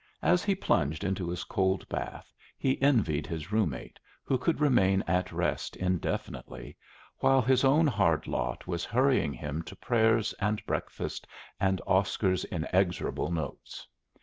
As he plunged into his cold bath he envied his room mate, who could remain at rest indefinitely, while his own hard lot was hurrying him to prayers and breakfast and Oscar's inexorable notes.